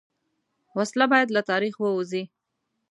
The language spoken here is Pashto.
وسله باید له تاریخ ووځي